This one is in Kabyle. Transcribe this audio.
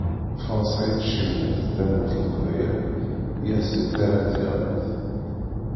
Fransa i tt-ceggḍen d tamurt n Leqbayel i as-d-yettaran tiɣrit.